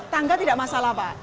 tangga tidak masalah pak